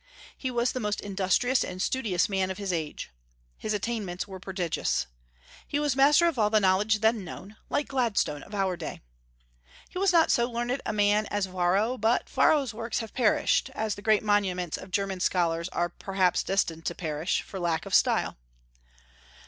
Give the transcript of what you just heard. He was the most industrious and studious man of his age. His attainments were prodigious. He was master of all the knowledge then known, like Gladstone of our day. He was not so learned a man as Varro; but Varro's works have perished, as the great monuments of German scholars are perhaps destined to perish, for lack of style.